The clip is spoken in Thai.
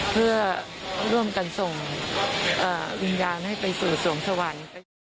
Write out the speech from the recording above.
เพื่อร่วมกันส่งวิญญาณให้ไปสู่สวงสวรรค์